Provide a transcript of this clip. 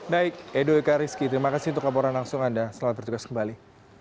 baik edo eka rizky terima kasih untuk laporan langsung anda selamat bertugas kembali